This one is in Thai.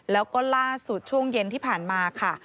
แล้วก็ล่าสุดช่วงเย็นที่ผ่านมาค่ะ